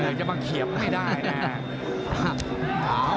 ยังไงจะมาเขียบไม่ได้เนอะ